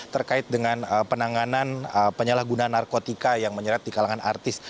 terkait dengan penanganan penyalahgunaan narkotika yang menyerat di kalangan artis